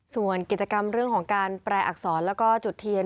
ส่วนกิจกรรมเรื่องของการแปลอักษรแล้วก็จุดเทียน